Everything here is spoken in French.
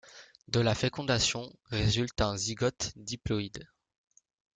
De la fécondation résulte un zygote diploïde.